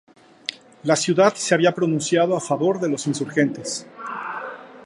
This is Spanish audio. La ciudad se había pronunciado a favor de los insurgentes.